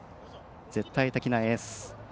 絶対的なエース。